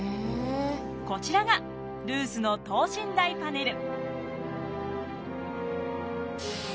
こちらがルースの等身大パネル。